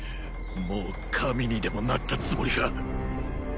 もう神にでもなったつもりか？